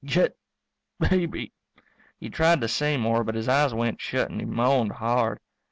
Get baby ..." He tried to say more but his eyes went shut and he moaned hard.